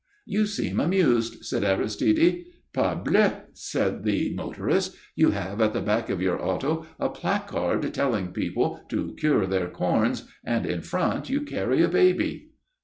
"You seem amused," said Aristide. "Parbleu!" said the motorist. "You have at the back of your auto a placard telling people to cure their corns, and in front you carry a baby."